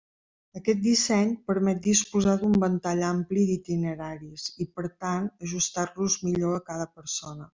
Aquest disseny permet disposar d'un ventall ampli d'itineraris i per tant ajustar-los millor a cada persona.